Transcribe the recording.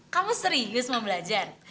kamu serius mau belajar